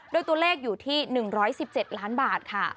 โดยตัวเลขอยู่ที่๑๑๗ล้านบาทค่ะ